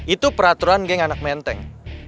itu peraturan geng anak menteng